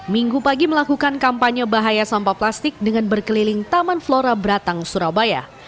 minggu pagi melakukan kampanye bahaya sampah plastik dengan berkeliling taman flora beratang surabaya